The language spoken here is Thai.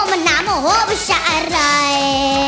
หน้าโมโฮมันหน้าโมโฮไม่ใช่อะไร